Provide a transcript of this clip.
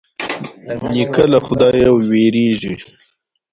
نیکه له خدايه وېرېږي.